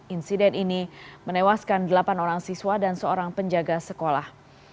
insiden ini menewaskan delapan orang siswa dan seorang penjaga sekolah